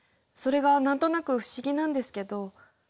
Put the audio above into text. それが何となく不思議なんですけど。